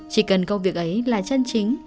chỉ cần công việc ấy là chân chính